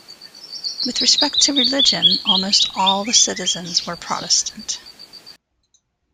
With respect to religion, almost all the citizens were Protestant.